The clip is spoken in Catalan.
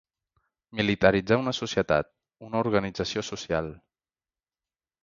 Militaritzar una societat, una organització social.